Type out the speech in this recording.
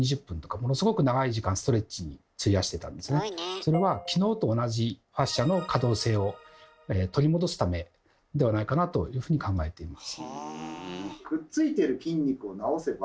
それは昨日と同じファシアの可動性を取り戻すためではないかなというふうに考えています。